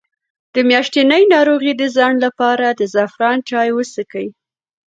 د میاشتنۍ ناروغۍ د ځنډ لپاره د زعفران چای وڅښئ